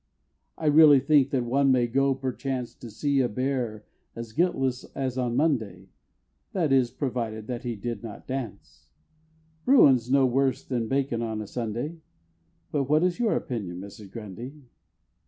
I really think that one may go, perchance, To see a bear, as guiltless as on Monday (That is, provided that he did not dance) Bruin's no worse than bakin' on a Sunday But what is your opinion, Mrs. Grundy?